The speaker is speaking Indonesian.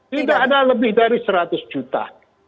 tidak ada lebih dari seratus juta